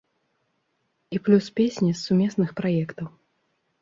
І плюс песні з сумесных праектаў.